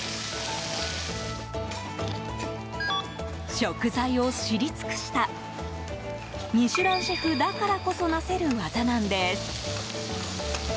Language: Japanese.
食材を知り尽くした「ミシュラン」シェフだからこそなせる業なんです。